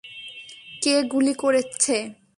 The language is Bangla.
কে গুলি করছে?